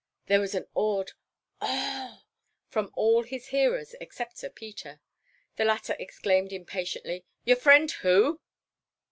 There was an awed "Oh h!" from all his hearers except Sir Peter. The latter exclaimed impatiently, "Your friend who?"